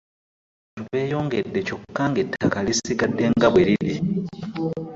Abantu beeyongedde kyokka ng'ettaka lisigadde nga bweriri